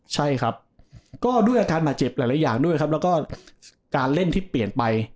ใช่ครับก็ด้วยอาการบาดเจ็บหลายอย่างด้วยครับแล้วก็การเล่นที่เปลี่ยนไป